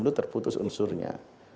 itu terputus unsurnya